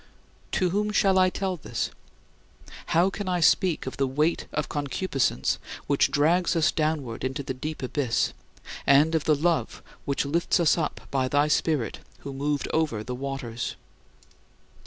To whom shall I tell this? How can I speak of the weight of concupiscence which drags us downward into the deep abyss, and of the love which lifts us up by thy Spirit who moved over the waters?